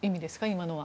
今のは。